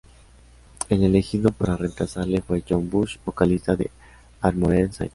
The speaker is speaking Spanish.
El elegido para reemplazarle fue John Bush, vocalista de Armored Saint.